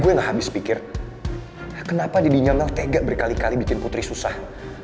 gue gak habis pikir kenapa jadinya memang tega berkali kali bikin putri susah